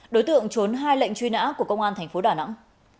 đối tượng trốn hai lệnh truy nã của công an thành phố đà nẵng